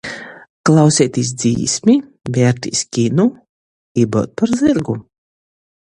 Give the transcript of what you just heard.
Klauseitīs dzīsmi, vērtīs kinu ir byut par zyrgu.